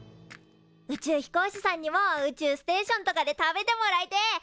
宇宙飛行士さんにも宇宙ステーションとかで食べてもらいてえ。